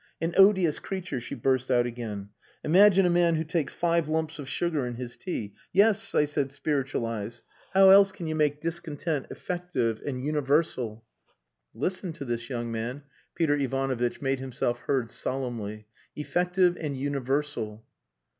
"An odious creature," she burst out again. "Imagine a man who takes five lumps of sugar in his tea.... Yes, I said spiritualize! How else can you make discontent effective and universal?" "Listen to this, young man." Peter Ivanovitch made himself heard solemnly. "Effective and universal."